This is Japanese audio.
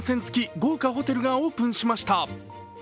豪華ホテルがオープンしました。